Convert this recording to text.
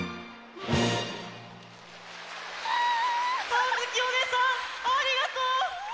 あづきおねえさんありがとう！